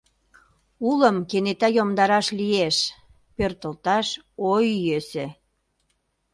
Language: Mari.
Улым кенета йомдараш лиеш, пӧртылташ — ой, йӧсӧ.